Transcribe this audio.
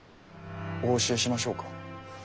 お教えしましょうか？